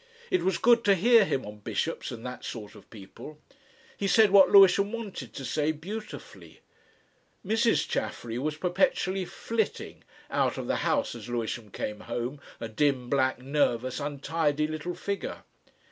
It was good to hear him on bishops and that sort of people. He said what Lewisham wanted to say beautifully. Mrs. Chaffery was perpetually flitting out of the house as Lewisham came home, a dim, black, nervous, untidy little figure.